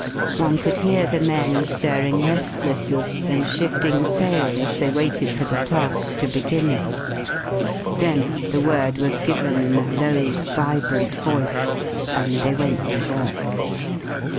One could hear the men stirring restlessly and shifting sail as they waited for the task to begin. Then the word was given in a low, vibrant voice, and they went to work.